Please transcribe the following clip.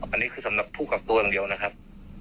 อันนี้คือสำหรับผู้กักตัวอย่างเดียวนะครับ